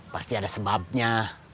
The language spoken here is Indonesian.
pasti ada sebabnya